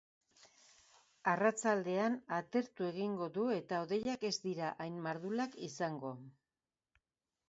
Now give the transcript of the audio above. Arratsaldean, atertu egingo du eta hodeiak ez dira hain mardulak izango.